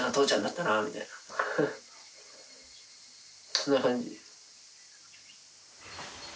そんな感じ。